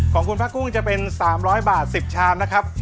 ของคุณพระกุ้งจะเป็น๓๐๐บาท๑๐ชามนะครับ